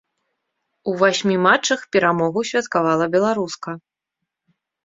У васьмі матчах перамогу святкавала беларуска.